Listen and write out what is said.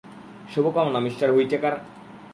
শুভকামনা, Mr Whitaker.